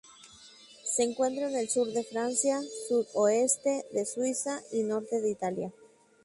Se encuentra en el sur de Francia, sud-oeste de Suiza y norte de Italia.